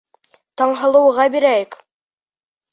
Таңһылыуға бирәйек.